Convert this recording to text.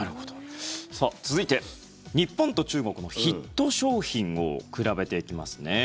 続いて、日本と中国のヒット商品を比べていきますね。